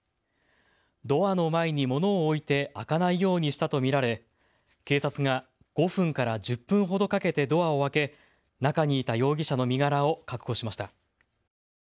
ドアの前に物を置いて開かないようにしたと見られ警察が５分から１０分ほどかけてドアを開け、中にいた容疑者の身柄を確保しました。